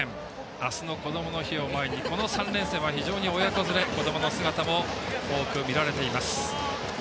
明日の、こどもの日を前にこの３連戦は非常に親子連れ、こどもの姿も多く見られています。